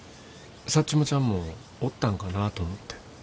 サッチモちゃんもおったんかなと思って。